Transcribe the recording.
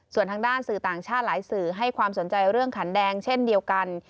ส่วนทางด้านสื่อต่างชาติหลายสื่อให้ความสนใจเรื่องขันแดงเช่นเดียวกัน